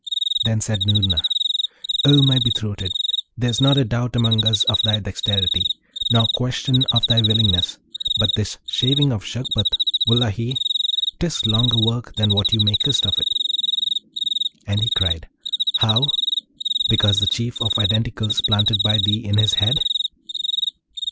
Then said Noorna, 'O my betrothed, there's not a doubt among us of thy dexterity, nor question of thy willingness; but this shaving of Shagpat, wullahy! 'tis longer work than what thou makest of it.' And he cried, 'How? because of the Chief of Identicals planted by thee in his head?'